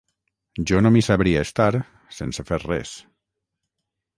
Jo no m’hi sabria estar, sense fer res.